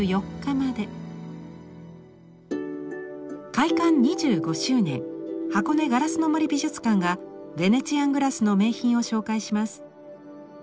開館２５周年箱根ガラスの森美術館がヴェネチアン・グラスの名品を紹介します。